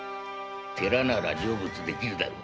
寺なら成仏できるだろう。